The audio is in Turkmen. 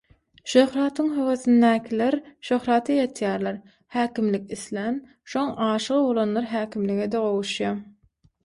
Şöhratyň höwesindäkiler şöhrata ýetýärler, häkimlik islän, şoň aşygy bolanlar häkimlige-de gowuşýar.